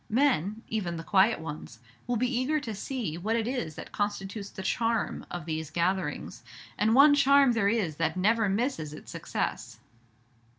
Men even the quiet ones will be eager to see what it is that constitutes the charm of these gatherings; and one charm there is that never misses its success.